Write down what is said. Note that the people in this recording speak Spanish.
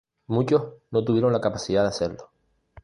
Muchos no tuvieron la capacidad de hacerlo.